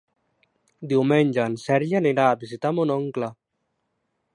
Diumenge en Sergi anirà a visitar mon oncle.